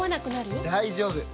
大丈夫！